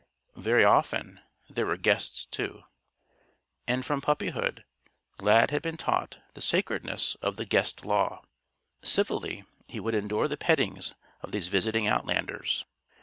Very often, there were guests, too. And from puppyhood, Lad had been taught the sacredness of the Guest Law. Civilly, he would endure the pettings of these visiting outlanders.